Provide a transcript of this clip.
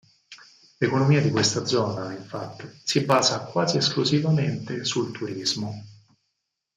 L'economia di questa zona, infatti, si basa quasi esclusivamente sul turismo.